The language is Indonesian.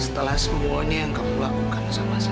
setelah semuanya yang kamu lakukan